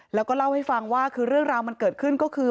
แล้วก็เล่าให้ฟังว่าคือเรื่องราวมันเกิดขึ้นก็คือ